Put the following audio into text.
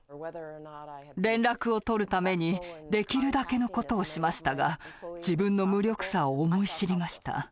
連絡を取るためにできるだけの事をしましたが自分の無力さを思い知りました。